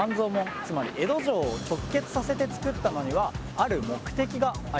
つまり江戸城を直結させて作ったのにはある目的がありました。